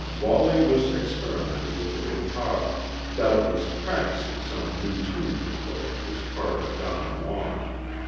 Wallie was experimenting with a guitar, doubtless practicing some new tune to play in his part of Don Juan.